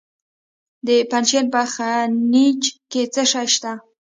د پنجشیر په خینج کې څه شی شته؟